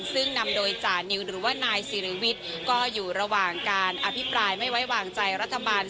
ซึ่งนำโดยจานิวหรือว่านายสิริวิทย์ก็อยู่ระหว่างการอภิปรายไม่ไว้วางใจรัฐบาล